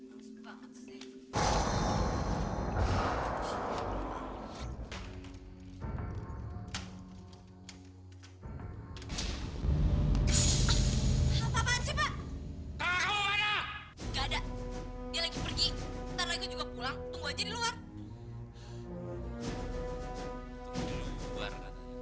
apa apaan sih pak aku ada ada lagi pergi juga pulang tunggu aja di luar